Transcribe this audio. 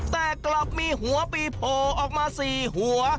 แต่กลับมีหัวปีโผล่ออกมา๔หัว